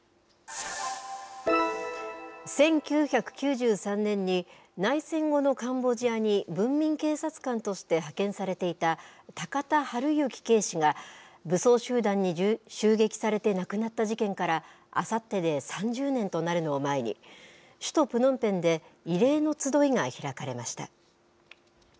１９９３年に、内戦後のカンボジアに文民警察官として派遣されていた高田晴行警視が、武装集団に襲撃されて亡くなった事件から、あさってで３０年となるのを前に、首都プノンペンで慰霊の集いが開かれました。